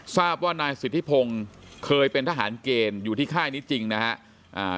ทราบว่านายสิทธิพงศ์เคยเป็นทหารเกณฑ์อยู่ที่ค่ายนี้จริงนะครับ